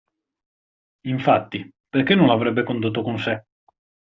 Infatti, perché non l'avrebbe condotto con sé?